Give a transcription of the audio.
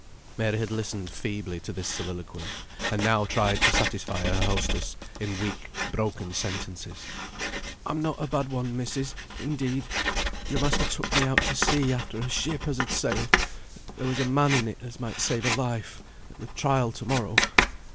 Mary had listened feebly to this soliloquy, and now tried to satisfy her hostess in weak, broken sentences. "I'm not a bad one, missis, indeed. Your master took me out to sea after a ship as had sailed. There was a man in it as might save a life at the trial to morrow.